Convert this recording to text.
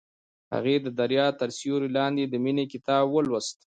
هغې د دریا تر سیوري لاندې د مینې کتاب ولوست.